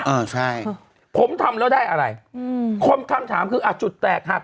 อ่าใช่ผมทำแล้วได้อะไรอืมคนคำถามคืออ่ะจุดแตกหัก